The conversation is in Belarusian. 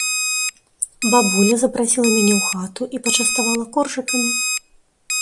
Бабуля запрасіла мяне ў хату і пачаставала коржыкамі.